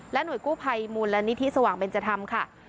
หน่วยกู้ภัยมูลนิธิสว่างเบนจธรรมค่ะ